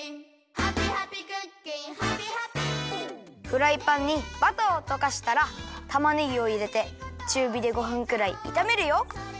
フライパンにバターをとかしたらたまねぎをいれてちゅうびで５ふんくらいいためるよ。